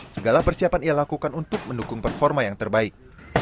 segala persiapan ia lakukan untuk mendukung performa yang terbaik